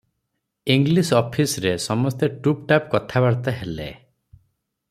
English ଅଫିସରେ ସମସ୍ତେ ଟୁପ୍ଟାପ୍ କଥାବାର୍ତ୍ତା ହେଲେ ।